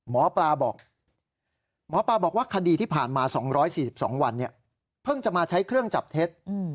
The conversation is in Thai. หมอปลาบอกหมอปลาบอกว่าคดีที่ผ่านมา๒๔๒วันเพิ่งจะมาใช้เครื่องจับเท็จ